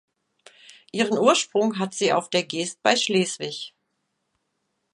Ihren Ursprung hat sie auf der Geest bei Schleswig.